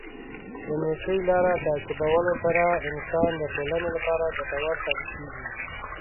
د نېکۍ لاره تعقیبولو سره انسان د ټولنې لپاره ګټور ثابت کیږي.